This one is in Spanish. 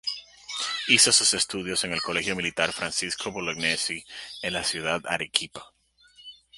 Hizo sus estudios en el Colegio Militar Francisco Bolognesi en la ciudad de Arequipa.